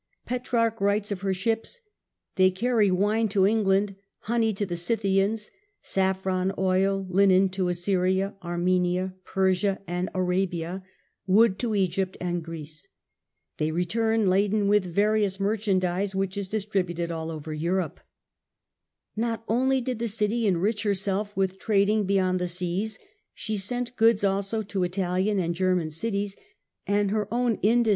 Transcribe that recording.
Petrarch writes of her ships :" They carry wine to England ; honey to the Scythians ; saffron, oil, linen to Assyria, Armenia, Persia and Arabia ; wood to Egypt and Greece. They return laden with various merchandise, which is distri buted over all Europe." Not only did the city enrich herself with trading beyond the seas ; she sent goods also to Italian and German cities ; and her own indus ^ See Genealogical Table.